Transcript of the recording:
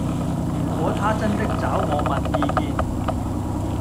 如果他真的找我問意見